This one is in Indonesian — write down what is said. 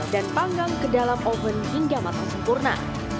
dan panggang ke dalam oven hingga matang sempurna